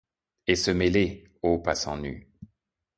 Et se mêler, ô passant nu